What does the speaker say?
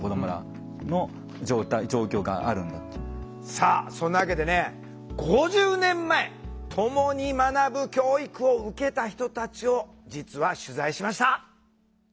さあそんなわけでね５０年前ともに学ぶ教育を受けた人たちを実は取材しました。